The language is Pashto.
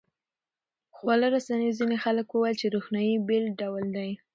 خواله رسنیو ځینې خلک وویل چې روښنايي بېل ډول ده.